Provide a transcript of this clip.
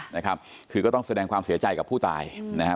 นะครับคือก็ต้องแสดงความเสียใจกับผู้ตายนะครับ